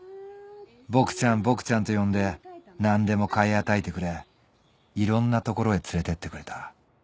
「ボクちゃんボクちゃん」と呼んで何でも買い与えてくれいろんな所へ連れてってくれた。